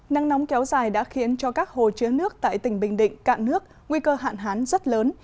nắng nóng kéo dài đã khiến cho các hồ chứa nước tại tỉnh bình định cạn nước nguy cơ hạn hán rất lớn